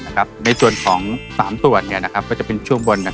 ในส่วนของ๓ส่วนก็จะเป็นช่วงบน